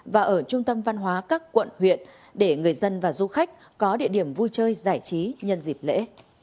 và ở trung tâm văn hóa các quận huyện để người dân và du khách có địa điểm vui chơi giải trí nhân dịp lễ